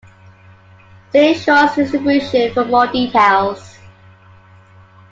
See Schwartz distribution for more details.